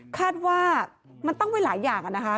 คาดว่ามันตั้งไว้หลายอย่างนะคะ